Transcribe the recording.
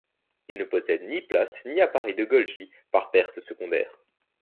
Ils ne possèdent ni plaste, ni appareil de Golgi, par pertes secondaires.